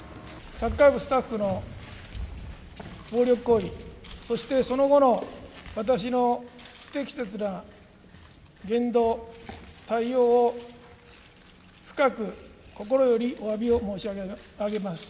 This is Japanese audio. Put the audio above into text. サッカー部スタッフの暴力行為、そして、その後の私の不適切な言動、対応を深く心よりおわびを申し上げます。